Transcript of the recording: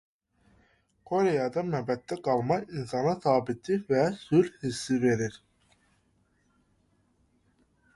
Koreyada məbəddə qalmaq insana sabitlik və sülh hissi verir.